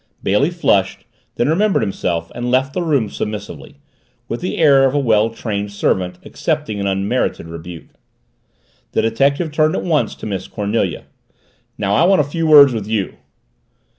Bailey flushed, then remembered himself, and left the room submissively, with the air of a well trained servant accepting an unmerited rebuke. The detective turned at once to Miss Cornelia. "Now I want a few words with you!"